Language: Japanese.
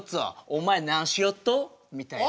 お前何しよっと？みたいな。